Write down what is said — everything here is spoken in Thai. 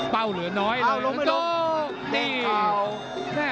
เป้าเหลือน้อยเอ้าลงมันไม่ลงโอโหนี่